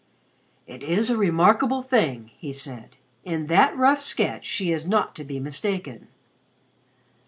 "It is a remarkable thing," he said. "In that rough sketch she is not to be mistaken."